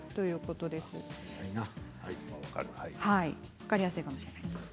分かりやすいかもしれませんね。